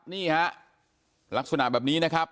นี่ฮะลักษณะแบบนี้นะครับ